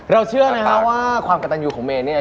เราเชื่อนะฮะว่าความกระตันอยู่ของเมย์เนี่ย